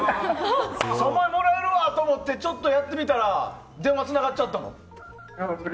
３万円もらえるわと思ってやってみたら電話つながっちゃったんだ。